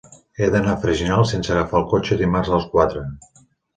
He d'anar a Freginals sense agafar el cotxe dimarts a les quatre.